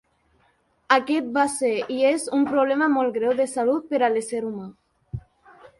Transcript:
Aquest va ser, i és, un problema molt greu de salut per a l'ésser humà.